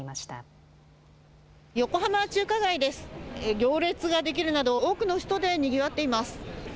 行列ができるなど多くの人でにぎわっています。